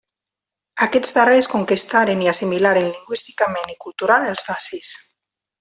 Aquests darrers conquistaren i assimilaren lingüísticament i cultural els dacis.